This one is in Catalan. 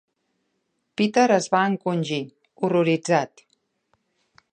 Peter es va encongir, horroritzat.